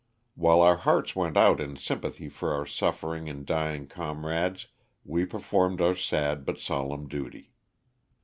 While our hearts went out in sympathy for our suffering and dying comrades we perfori»ed qxit sad but solemn duty.